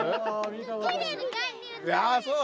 ああそう。